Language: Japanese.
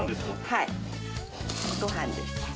はいごはんです。